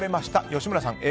吉村さん、Ａ。